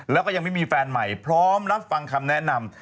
แล้วก็ยังไม่มีแฟนใหม่พร้อมรับฟังคำแนะนำ